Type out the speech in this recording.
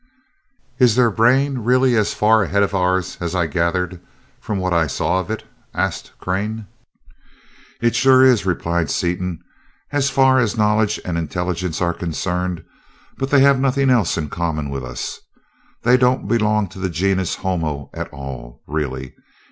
"Is their brain really as far ahead of ours as I gathered from what I saw of it?" asked Crane. "It sure is," replied Seaton, "as far as knowledge and intelligence are concerned, but they have nothing else in common with us. They don't belong to the genus 'homo' at all, really.